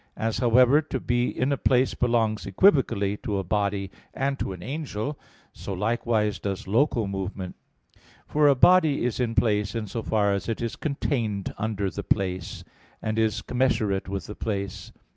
As, however, to be in a place belongs equivocally to a body and to an angel, so likewise does local movement. For a body is in a place in so far as it is contained under the place, and is commensurate with the place.